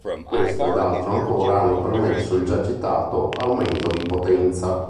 Questo ed altro ancora hanno permesso il già citato aumento di potenza.